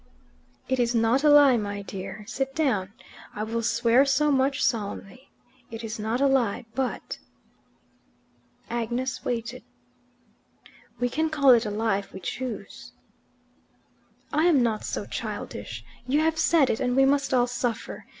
"It is not a lie, my clear; sit down. I will swear so much solemnly. It is not a lie, but " Agnes waited. " we can call it a lie if we choose." "I am not so childish. You have said it, and we must all suffer.